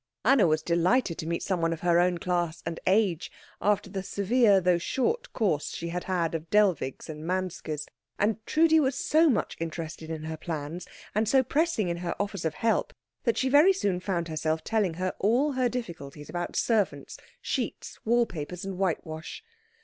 Anna was delighted to meet someone of her own class and age after the severe though short course she had had of Dellwigs and Manskes; and Trudi was so much interested in her plans, and so pressing in her offers of help, that she very soon found herself telling her all her difficulties about servants, sheets, wall papers, and whitewash.